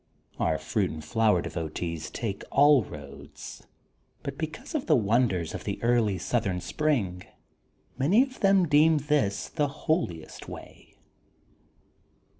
Our fruit and flower devotees take all roads, but because of the wonders of the early south em spring many of them deem this the holiest way.